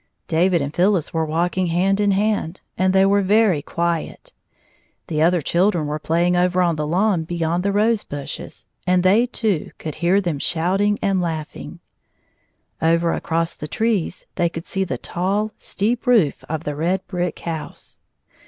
David and Phylhs were walking hand in hand, and they were very quiet. The other children were playing over on the lawn beyond the rose bushes, and they two could hear them shouting and laughing. Over across the trees they could see the tall, steep roof of the red brick house.